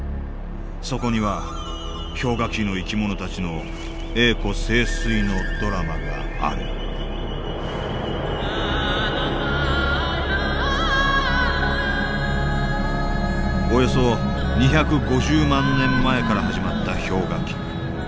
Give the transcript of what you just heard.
そこには氷河期の生き物たちの栄枯盛衰のドラマがあるおよそ２５０万年前から始まった氷河期。